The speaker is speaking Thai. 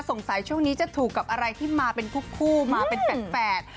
ช่วงนี้จะถูกกับอะไรที่มาเป็นทุกคู่มาเป็นแฝด